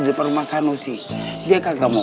di depan rumah sanusi dia kan gak mau